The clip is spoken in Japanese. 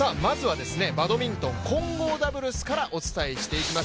バドミントン・混合ダブルスからお伝えしていきます。